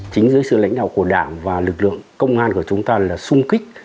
chính dưới sự lãnh đạo của đảng và lực lượng công an của chúng ta là sung kích